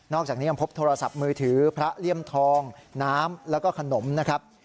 อกจากนี้ยังพบโทรศัพท์มือถือพระเลี่ยมทองน้ำแล้วก็ขนมนะครับ